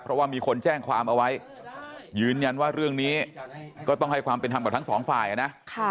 เพราะว่ามีคนแจ้งความเอาไว้ยืนยันว่าเรื่องนี้ก็ต้องให้ความเป็นธรรมกับทั้งสองฝ่ายนะ